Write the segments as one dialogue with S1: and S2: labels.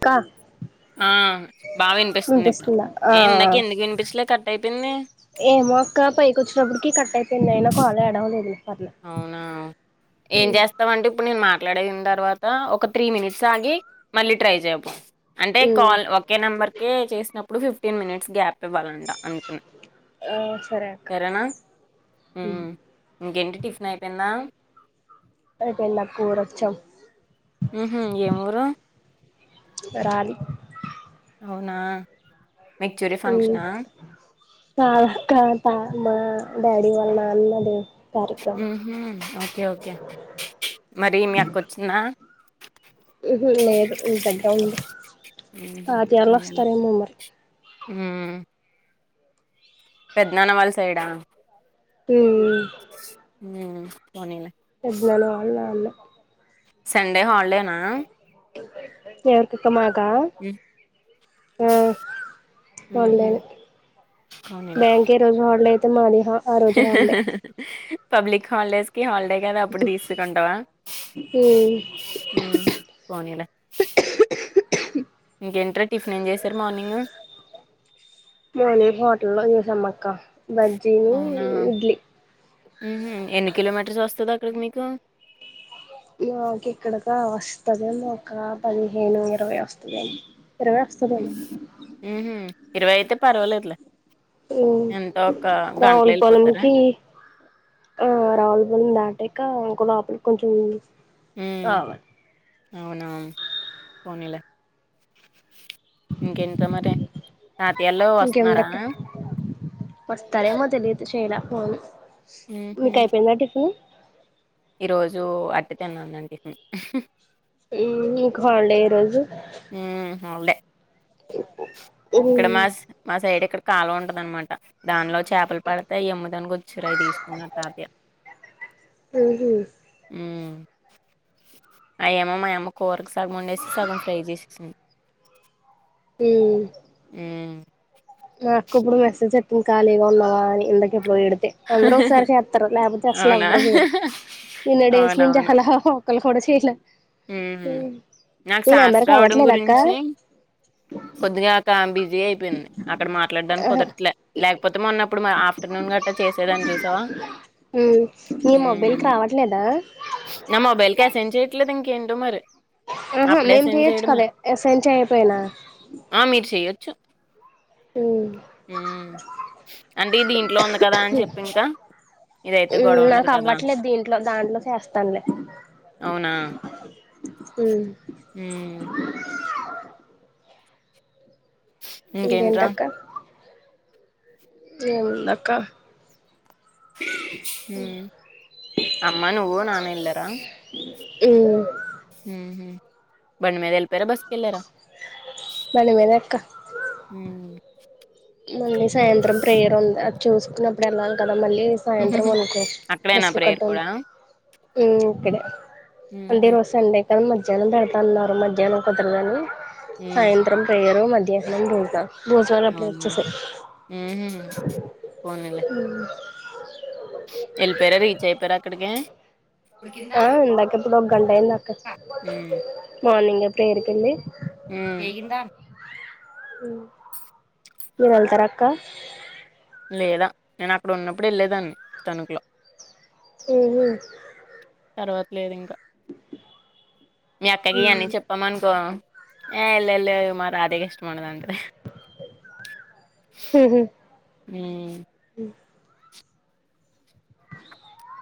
S1: క
S2: ఆ బా వినిపిస్తుంది ఇప్పుడు
S1: ఆ
S2: ఏ ఇందాక ఎందుకు వినిపించలే కట్ అయిపోయింది
S1: ఏమో అక్క పైకి వచ్చినప్పటికిీ కట్ అయిపోయింది ఐనా కాల్ యాడ్ అవ్వలేదులే
S2: అవునా ఏం చేస్తామంటే ఇప్పుడు నేను మ మాట్లాడిన తర్వాత ఒక త్రీ మినిట్స్ ఆగి మళ్ళీ ట్రై చేయపుడు అంటే
S1: ఉమ్
S2: కాల్ ఒకే నంబర్కే చేసినప్పుడు ఫిఫ్టీన్ మినిట్స్ గ్యాప్ ఇవ్వాలంట అందుకని
S1: ఆ సరే అక్క
S2: సరేనా హ్మ్ ఇంకెంటి టిఫిన్ అయిపోయిందా
S1: అయిపోయిందాక్క ఊరోచం
S2: ఉహ్మ్ ఏం ఊరు
S1: రాళ్లి
S2: అవునా మెచ్యూరీ
S1: హ్మ్
S2: ఫంక్షనా
S1: త క త మా డాడీ వాల్ల అన్నది
S2: ఊహ్మ్ ఓకే ఓకే మరి మీ అక్కోచ్చిందా
S1: ఊహ్మ్ లేదు ఇంటి దగ్గరే ఉంది
S2: ఉమ్
S1: తాతయ్యలు వస్తారేమో మరి
S2: ఆ పెద్నాన్న వాళ్ళ సైడ్ ఆ
S1: హ్మ్
S2: ఉ పోనీలే
S1: పెద్నాన్న వాలా అన్న
S2: సండే హాలిడేనా
S1: ఎవర్కక మాక
S2: హ్మ్.
S1: ఉమ్
S2: హుహు.
S1: హాలిడేనే బ్యాంకు ఎరోజు హాలిడే అయితే మాది ఆ రోజు
S2: హ హ
S1: హాలిడే
S2: హ పబ్లిక్ హల్స్కి హల్ ఉంటైకదా అప్పుడు తీసుకుంటావా
S1: ఉమ్
S2: హ్మ్ పోనీలా ఇంకేంట్రా టిఫిన్ ఏం చేశారు మార్నింగ్
S1: మార్నింగ్ హోటల్ లో చేసామ్మక్క బజ్జిను ఇడ్లీ
S2: ఊహ్మ్ ఎన్ని కిలోమీటర్స్ వస్తుంది అక్కడికి మీకు
S1: మాకు ఇక్కడక వస్తాదండి ఒక పదిహేను ఇరవై వస్తాదండి
S2: ఊహ్మ్ ఇరవై అయితే పర్వాలేదులే
S1: హ్మ్
S2: ఎంతో ఒక గంటలో ఎళ్ళిపోతారా?
S1: రావులపోలనికి ఆ రావులపాలెం దాటెకా ఇంక లోపలికి కొంచెం
S2: హ్మ్.
S1: రావాలి
S2: అవునా పోనీలే ఇంకేంట్రా మరి తాతయ్యలు వాస్తన్నారా
S1: ఇంకేముందక్క వస్తారేమో తెలియదు చేలే ఫోన్ మీకు అయిపోయిందా టిఫిను
S2: ఈ రోజు అట్టు తిన్నానండి నేను హ్మ్ హ్మ్
S1: ఉమ్ ఇంకాహాలిడే ఈరోజు
S2: హ్మ్. హాలిడే.
S1: ఊహు
S2: ఇక్కడ మాస్ మ సైడ్ఇక్కడ కాల్వ ఉంటదనమాట దానిలో చేపలు పడితే ఆయమ్మడానికివచారు అయ్ తీసుకున్నారు తాతయ్య
S1: ఉహు
S2: ఊ అయ ఏమో మాయమ్మ కూరకు సగం వండేసి సగం ఫ్రై చేసేసింది
S1: ఉ
S2: ఉ
S1: నాకు ఇప్పుడు మెసేజ్ చెత్తది ఖాళీగా ఉన్నదా అని ఇందకే పోడితే అందరు ఒకసారి చేస్తారు లేకపోతే అసలు
S2: అవునా
S1: ఎవ్వరు చేయరు ఇన్నిడేస్ నుంచి మొక్కలు కూడా చేయలే
S2: ఉ నాకు
S1: నీ
S2: శస్రా
S1: నెంబర్కి
S2: రావడం
S1: అవ్వట్లేదా అక్క
S2: గురించి కొద్దిగా కామ్ బిజీ అయిపోయింది అక్కడ మా మాట్లాడాని
S1: ఆహా
S2: కుదరట్లే లేకపోతే మొన్నప్పుడు ఆఫ్టర్నూన్ గట్టా చేసేదాన్ని చూసావా
S1: మ్మ్ నీ మొబైల్కి
S2: ఉ
S1: రావట్లేదా
S2: నా మొబైల్కి అస్సేన్ చేయట్లేదు ఇంకేంటో మరి
S1: ఆహా
S2: అప్పుడే
S1: మేం
S2: అసైన్
S1: చెయొచ్చు
S2: చెయడుమే
S1: కదా అసైన్ చేయపోయినా
S2: ఆ మీరు చెయొచ్చు
S1: మ్మ్
S2: ఉ అంటే దింట్లో ఉంది కదా అని చెప్పి ఇంకా ఇదైతే
S1: ఉ
S2: గొడవ ఉండదు
S1: నాకు
S2: కదా
S1: అవ్వట్లే దీంట్లో దాంట్లో చేస్తానులే అ
S2: ఊ ఇంకేంట్రా
S1: ఇంకేటక్కా ఏందక్కా
S2: ఊ అమ్మ నువ్వు నాన ఎల్లారా
S1: ఉ
S2: ఉహు బండి మీద ఎల్లిపోయారా బస్సుకి ఎల్లారా
S1: మని మేన ఎక్క
S2: ఉమ్,
S1: మళ్ళీ సాయంత్రం ప్రేయర్ ఉంది అది చూసుకున్నప్పుడు వెళ్ళాలి కదా మళ్ళీ సాయంత్రం
S2: ఉహుహు.
S1: అనుకో
S2: అక్కడేనా
S1: బస్సులు
S2: ప్రేయర్
S1: కట్టం
S2: కూడా
S1: ఇక్కడే అంటే ఈ
S2: ఉహుం,
S1: రోజు సండే కాదు మధ్యాహ్నం పెడతా అన్నారు మధ్యాహ్నం కుదరగాని
S2: ఉమ్,
S1: సాయంత్రం ప్రేయరు మధ్యాహ్నం భోజవాల్ భోజనాల్ అప్పుడు
S2: ఉహు పోనిలే
S1: ఆ
S2: వెళ్లిపోరా రీచ్ అయిపోరా అక్కడికి
S1: ఆ ఇందాక ఇప్పుడు ఒక గంట అయింది అక్క మార్నింగ్ ఎప్పుడురిపింది
S2: చేయందా
S1: మీరు వెళ్తార అక్క
S2: లేదా నేను అక్కడ ఉన్నప్పుడు వెళ్లేదాన్ని తణుకులో
S1: ఉహు
S2: తర్వాతలేదు ఇంకా మీ అక్కకి అన్నీ చెప్పామనుకో ఏ వెల్ళ వెళ్ళ మా రాధేకి ఇష్టం ఉండదండి
S1: ఉహు
S2: ఉ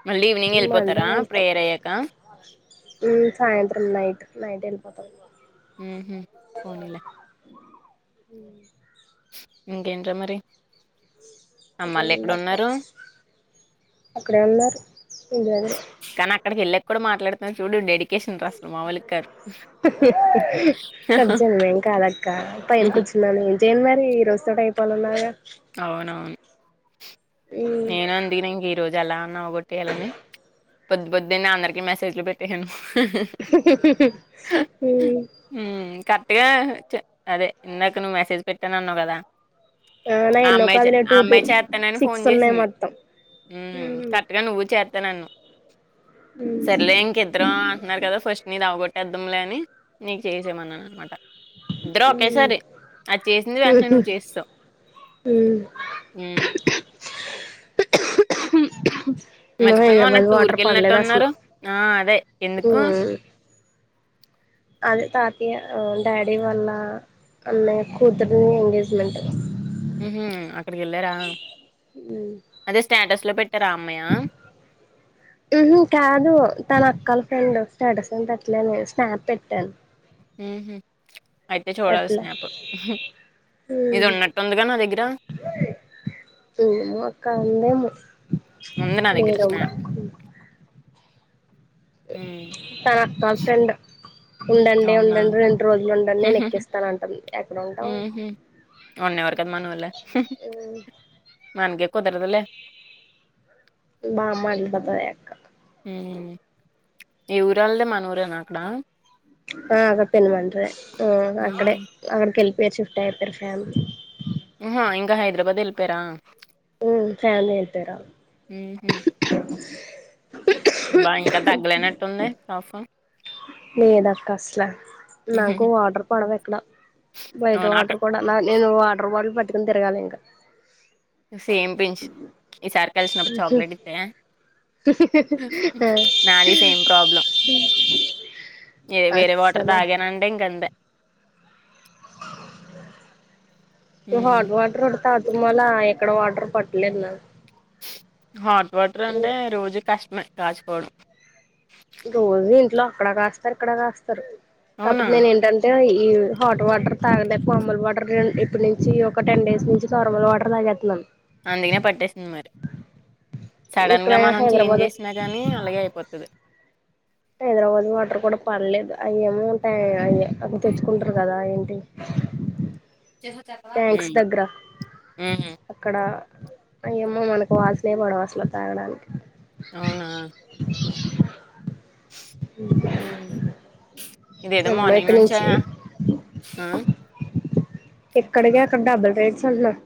S2: మళ్ళీ ఈవినింగ్ వెళ్ళిపోతారా ప్రేయర్ అయ్యాక
S1: ఉ సాయంత్రం నైట్ నైట్ వెళ్ళిపోత
S2: ఉహు పోనీలే
S1: ఉ
S2: ఇంకేంట్రా మరి అమ్మాళ్ళ ఎక్కడ
S1: ఇంకేముంది అక్క
S2: ఉన్నారు
S1: అక్కడే ఉన్నారు ఇంటి దగ్గరే
S2: కానీ అక్కడికి వెల్లాక కూడా మాట్లాడుతున్నా చూడు డెడికేషన్ అసలు మామూలు కాదు
S1: తజ్జన్ ఏం కాదక్క పైన కూర్చున్నానుం జేయన్ మరి ఈ రోజుతో టై పలున్నాయా
S2: అవునవును
S1: ఉమ్
S2: నేను అందినింగ్ ఈ రోజు అలా అవ్వకొట్టేయాలని పొద్దు పొద్దు నే అందరికి మెసేజ్లు పెట్టేసాను
S1: ఉమ్
S2: కట్ టిగా అదే ఇందాక నువ్వు మెసేజ్ పెట్టానన్నావు కదా
S1: నా
S2: ఆ
S1: ఎన్నో
S2: అమ్మాయి చే
S1: కాదులే టూ టూ
S2: అమ్మాయి చెత్తానని ఫోన్
S1: సిక్స్ ఉన్నాయి
S2: చేసింది
S1: మొత్తం
S2: ఉ
S1: ఉమ్
S2: కరక్ట్గా నువ్వు చే నన్ను
S1: ఉమ్
S2: సర్లే ఇంకిద్దరం అంటున్నారు కదా ఫస్ట్ నీది అవ్వగోట్ టెద్దంలేని నీకు చేసేయమన్నాననమాట ఇద్దరు ఒకేసారి అది చేసింది వెంటనే
S1: ఉహు
S2: నువ్వు చేసేశావు
S1: ఉమ్
S2: ఉ
S1: ను
S2: మర్చిపోయాను మొన్న
S1: హైదరాబాద్ వాటర్ పడలేదు అసలు
S2: టూర్‌కెళ్ళినట్టున్నారు? ఆ! అదే.
S1: ఉ
S2: ఎందుకు?
S1: అది తాతియా డాడీ వాళ్ళ అన్నయ్య కూతురుని ఎంగేజ్మెంట్
S2: ఉహు అక్కడికి వెళ్ళారా
S1: ఉమ్
S2: అదే స్టాటస్ లో పెట్
S1: ఉహు కాదు తన కల ఫ్రెండ్ స్టేటస్ ఏం పెట్టలే నేను స్నాప్ పెట్టాను
S2: ఉహు అయితే చూడాలి
S1: పెట్లే
S2: స్నాపు ఇది ఉన్నట్టుందిగా నా దగ్గర
S1: ఏమో అక్క ఉందేమో
S2: ఉంది నా దగ్గర
S1: లేదమ్
S2: స్నాప్. హ్మ్.
S1: తన గర్ల్ ఫ్రెండ్ ఉండండి
S2: అవునా?
S1: ఉండండి రెండు రోజులు ఉండండి నేను ఎక్కిస్తాను అంటుంది ఎక్కడ ఉంటవ్
S2: ఉన్నివ్వరు కదా మనోళ్లే
S1: ఉ
S2: మనకి కుదరదు లే
S1: మా అమ్మ అలిగిపోతదిలె అక్క
S2: ఈ ఏ ఊరళ్ళది మన ఊరేనా అక్కడ
S1: ఆ అగాత్తన్ మండ్రి ఆ అక్కడే
S2: హుహు.
S1: అక్కడకెల్ ఇగ షిఫ్ట్ అయిపోయారు ఫ్యామ్
S2: ఉహ ఇంగ హైదరాబాద్ ఎళ్లిపోయారా
S1: ఉ ఫ్యామిలీ ఎళ్ళిపోయారు
S2: ఉహు
S1: ఆ
S2: బా ఇంకా తగ్గలేనట్టుంది కాఫ్
S1: లేదక్క అసలు నాకు
S2: హుహుహు.
S1: వాటర్ పడవిక్కడ బయట
S2: అవును. అక్కడ
S1: వాటర్ కూడ నా నేను వాటర్ బాటిలు పట్ పటుకుని తిరగాలి ఇంకా
S2: సేమ్ పించ్ ఈసారి కలిసినప్పుడు చాక్లెట్ ఇవ్వే నాది సేమ్ ప్రాబ్లం ఎ వేరే వాటర్
S1: అస్సల
S2: తాగానంటె ఇంకంతే హ్మ్.
S1: హాట్ వాటర్ తాతు మళ ఎక్కడ వాటర్ పట్లేదు నాకు
S2: హాట్ వాటర్ అంటే రోజు కష్టమే కాచుకోడం
S1: రోజు ఇంట్లో అక్కడ కాస్తారు ఇక్కడ కాస్తారు
S2: అవునా?
S1: కాకపోతే నేను ఏంటంటే ఈ హాట్ వాటర్ తాగలే నార్మల్ వాటర్ ఇప్పడు నుంచి ఒక టెన్ డేస్ నుంచి నార్మల్ వాటర్ తాగేస్తున్నాను
S2: అందుకనే పట్టేసింది మరి సడన్
S1: ఇక్కడ
S2: గా మనం చేంజ్
S1: హైదరాబాద్
S2: చేసిన కానీ అలాగే అయిపోద్ది
S1: హైదరాబాద్ వాటర్ కూడా పలేదు ఏమో టెయ్ తెచ్చుకుంటారు కదా ఏంటి ట్యాంక్స్
S2: ఉ ఉ
S1: అయ్యేమో మనకు వాసనే పడ అసలు తాగడానికి
S2: అవునా హ్మ్. ఇదేదో
S1: అమ్మో
S2: మార్నింగ్
S1: ఇక్కడి
S2: నుంచే
S1: నుంచి
S2: ఆ
S1: ఎక్కడికి అక్కడ డబుల్ రేట్స్ ఉంట్నాయ్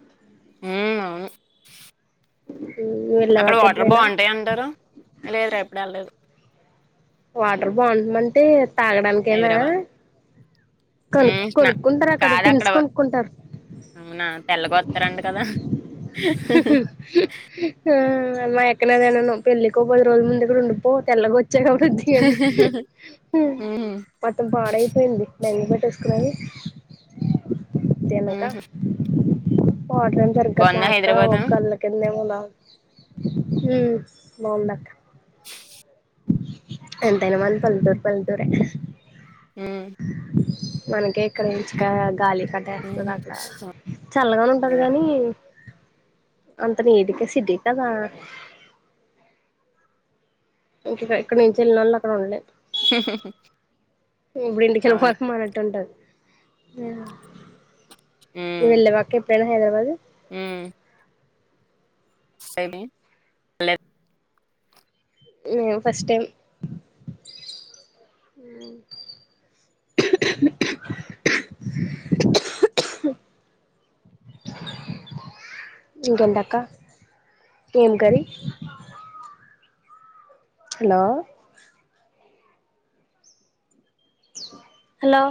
S2: ఉ అవును
S1: వెళ్ళావా
S2: అక్కడ
S1: అక్క
S2: వాటర్
S1: ఎప్పుడైనా
S2: బాగుంటాయి అంటారు లేదు రేపడు వెళ్లేదు
S1: వాటర్ బాగుంటుమంటే తాగడానికేనా
S2: హైదరాబాద్
S1: కనుక్
S2: మ్మ్ నా
S1: కొనుక్కుంటారు అక్కడ టిస్ కొనుక్కుంటారు
S2: అవునా తెల్లగొస్తారండి కదా
S1: మ్ మా అక్క నాదే అన్నాను పెళ్ళికో పది రోజులు ముందు ఇక్కడ ఉండిపో తెల్లగోచ్చ వచ్చాక అప్పుడు వద్దు గానీ
S2: మ్మ్
S1: మొత్తం పాడైపోయింది బెంగ పెట్టేసుకునీ అది తినక
S2: మ్మ్
S1: వాటర్ ఏమో సరిగ్గా
S2: బాగుందా హైదరాబాదు
S1: కళ్ళ కింద ఏమో నా ఉ బొంది అక్క ఎంతైనా మన పల్లెటూరు పల్లెటూరే
S2: మ్మ్
S1: మనకే ఇక్కడ ఇంచిక గాలి కట్టేస్తుంది
S2: మ్మ్
S1: అక్క చల్లగానే ఉంటది కాగాని అంత నీటుగా సిటీ కదా ఎక్కడినుంచి వెళ్లేనోళ్లు అక్కడ ఉండలేరు ఎప్పుడు ఇంటికి
S2: అవును
S1: వెళ్ళిపోదాం అన్నట్టు ఉంటది ఆ నువ్వెళ్ళావ్ అక్క ఎప్పుడైనా హైదరాబాదు
S2: ఆ స్టడీ లెట్
S1: నేన్ ఫస్ట్ టైం
S2: అంది
S1: ఇంకేంటి అక్క ఏం కర్రీ హలో హలో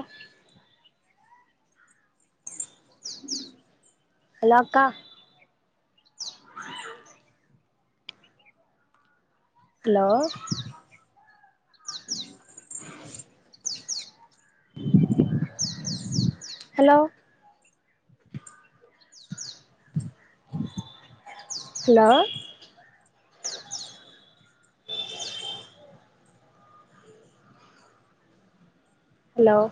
S1: హలో అక్క అ హలో హలో హలో
S2: అ
S1: హలో